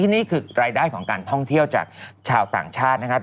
นี่คือรายได้ของการท่องเที่ยวจากชาวต่างชาตินะครับ